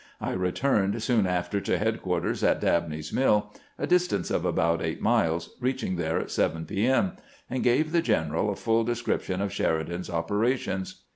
I returned soon after to headquar ters at Dabney's MiU, a distance of about eight miles, reaching there at 7 P. M., and gave the general a full description of Sheridan^s operations.